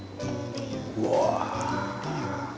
うわ。